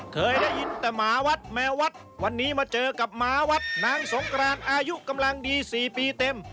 เคยได้ยินแต่หมาวัดแมววัดวันนี้มาเจอกับหมาวัดนางสงกรานอายุกำลังดี๔ปีเต็ม